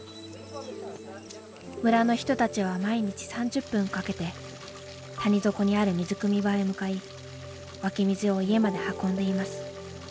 村の人たちは毎日３０分かけて谷底にある水くみ場へ向かい湧き水を家まで運んでいます。